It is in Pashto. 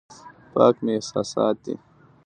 پاک مې احساسات دي.